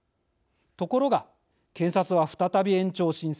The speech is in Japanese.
ところが検察は再び延長を申請。